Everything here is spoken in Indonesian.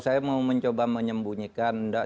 saya mau mencoba menyembunyikan